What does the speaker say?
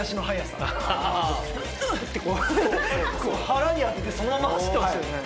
腹に当ててそのまま走ってましたよね。